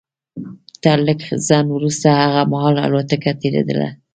تر لږ ځنډ وروسته هغه مهال الوتکه تېرېدله